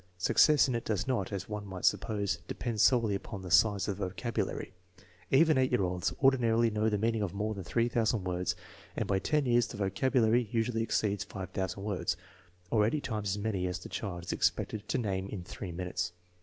Success in it does not, as one might sup pose, depend solely upon the size of the vocabulary. Even 8 year olds ordinarily know the meaning of more than 3000 words, and by 10 years the vocabulary usually exceeds 5000 words, or eighty times as many as the child is expected to name in three minutes.